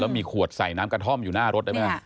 มีขวดใส่น้ำกระท่อมอยู่หน้ารถได้ไหม